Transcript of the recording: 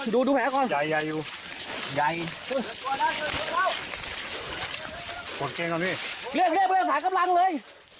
ดูแผลก่อนใหญ่ใหญ่อยู่ใหญ่หัวเจ้งก่อนนี่เรียกเรียกเรียกหากับรังเลย